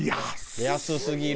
安すぎよ！